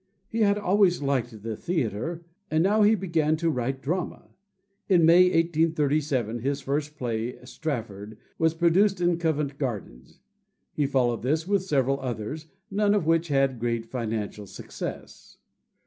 He had always liked the theater, and now he began to write drama. In May, 1837, his first play, "Strafford," was produced in Covent Garden. He followed this with several others, none of which had great financial success.